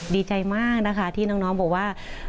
ดีใจมากนะคะที่น้องบอกว่า